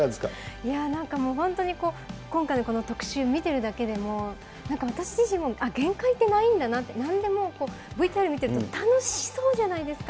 いやあ、なんかもう、今回のこの特シュー見てるだけでも、なんか私自身も、あっ、限界ってないんだな、なんでもＶＴＲ見ていると、楽しそうじゃないですか。